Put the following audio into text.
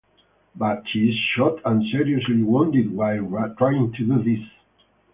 But she is shot and seriously wounded while trying to do this.